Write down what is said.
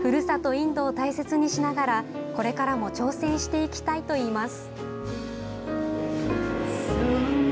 インドを大切にしながらこれからも挑戦していきたいといいます。